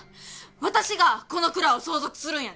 私がこの蔵を相続するんやで。